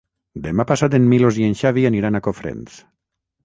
Demà passat en Milos i en Xavi aniran a Cofrents.